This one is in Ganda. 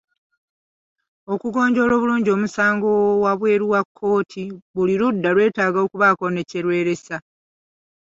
Okugonjoola obulungi omusango wabweru wa kkooti buli ludda lwetaaga okubaako ne kye lweresa.